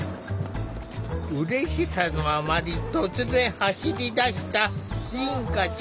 うれしさのあまり突然走り出した凛花ちゃん。